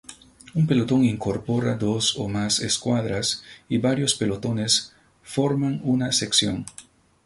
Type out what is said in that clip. Un pelotón incorpora dos o más escuadras y varios pelotones forman una sección.